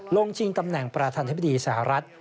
ชิงตำแหน่งประธานธิบดีสหรัฐ